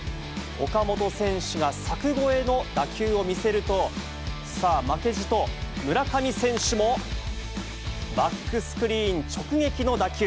岡本選手が柵越えの打球を見せると、さあ、負けじと村上選手も、バックスクリーン直撃の打球。